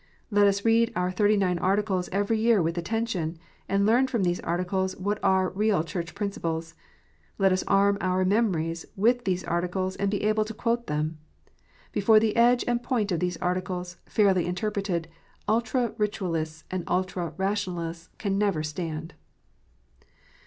Let us read our Thirty nine Articles every year with attention, and learn from these Articles what are real Church principles. Let us arm our memories with these Articles, and be able to quote them. Before the edge and point of these Articles, fairly interpreted, ultra Ritualists and ultra Rationalists can never stand.